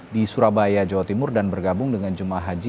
di surabaya jawa timur dan bergabung dengan jemaah haji